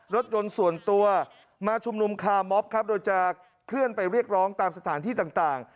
รถยนต์ส่วนตัวมาชุมนุมคาร์มอบครับโดยจะเคลื่อนไปเรียกร้องตามสถานที่ต่าง